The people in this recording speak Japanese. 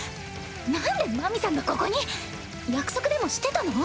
なんでマミさんがここに⁉約束でもしてたの？